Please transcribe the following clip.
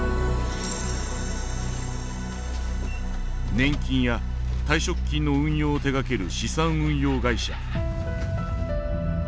年金や退職金の運用を手がける資産運用会社。